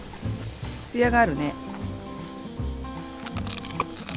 つやがあるね。